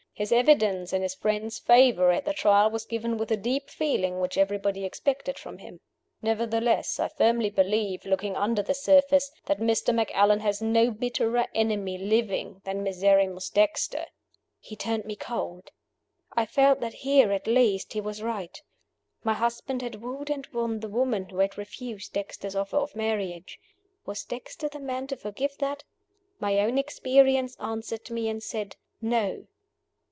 His evidence in his friend's favor at the Trial was given with the deep feeling which everybody expected from him. Nevertheless, I firmly believe, looking under the surface, that Mr. Macallan has no bitterer enemy living than Miserrimus Dexter." He turned me cold. I felt that here, at least, he was right. My husband had wooed and won the woman who had refused Dexter's offer of marriage. Was Dexter the man to forgive that? My own experience answered me, and said, No.